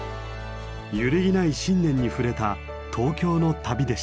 揺るぎない信念に触れた東京の旅でした。